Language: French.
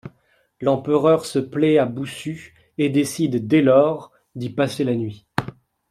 L’empereur se plaît à Boussu et décide, dès lors, d’y passer la nuit.